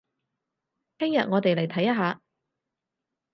聽日我哋嚟睇一下